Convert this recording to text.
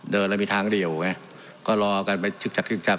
เดินแล้วมีทางเดี่ยวไงก็รอกันไปชึกชักชึกชัก